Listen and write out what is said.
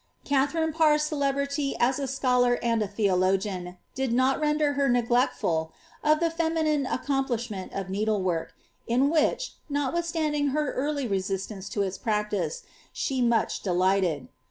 Katharine Parr's celebrity as a scholar and a theologian, tlid not der Iter neglectful of the feminine accomplishment of needleivork, in which, notwithstanding her early reeielance to its practice, she much delighted.